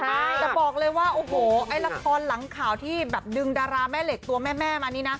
แต่บอกเลยว่าโอ้โหไอ้ละครหลังข่าวที่แบบดึงดาราแม่เหล็กตัวแม่มานี่นะ